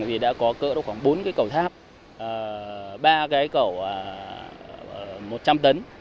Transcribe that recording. thì đã có cỡ khoảng bốn cầu tháp ba cầu một trăm linh tấn